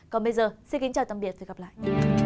còn bây giờ xin kính chào tạm biệt và hẹn gặp lại